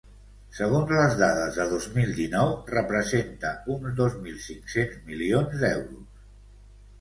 Segons les dades de dos mil dinou, representa uns dos mil cinc-cents milions d’euros.